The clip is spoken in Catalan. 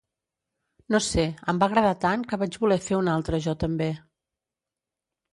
No sé, em va agradar tant que vaig voler fer una altra jo també.